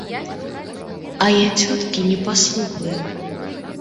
А я цёткі не паслухаю.